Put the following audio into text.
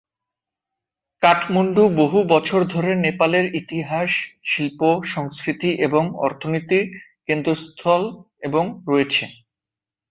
কাঠমান্ডু বহু বছর ধরে নেপালের ইতিহাস, শিল্প, সংস্কৃতি এবং অর্থনীতির কেন্দ্রস্থল এবং রয়েছে।